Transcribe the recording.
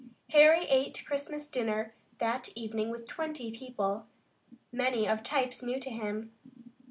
Harry ate Christmas dinner that evening with twenty people, many of types new to him.